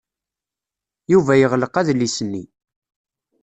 Yuba yeɣleq adlis-nni.